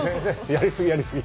やり過ぎやり過ぎ。